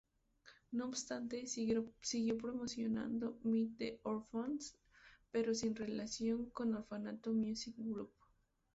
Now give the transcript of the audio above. No obstante, siguió promocionando "Meet The Orphans" pero sin relación con "Orfanato Music Group".